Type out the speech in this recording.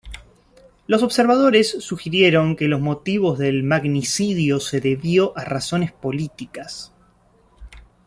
Los observadores sugirieron que los motivos del magnicidio se debió a razones políticas.